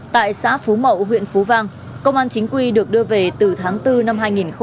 tại xã phú mậu huyện phú vang công an chính quy được đưa về từ tháng bốn năm hai nghìn một mươi ba